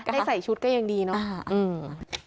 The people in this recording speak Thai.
ได้ใส่ชุดก็ยังดีเนอะอืม